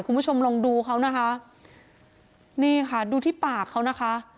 คุณผู้ชมลองดูเขานะคะนี่ค่ะดูที่ปากเขานะคะ